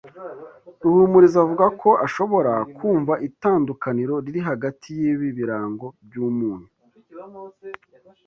Ruhumuriza avuga ko ashobora kumva itandukaniro riri hagati yibi birango byumunyu.